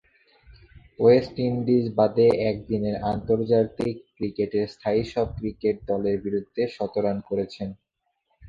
West Indies বাদে একদিনের আন্তর্জাতিক ক্রিকেটের স্থায়ী সব ক্রিকেট দলের বিরুদ্ধে শতরান করেছেন।